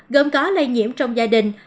gồm có lây nhiễm trong gia đình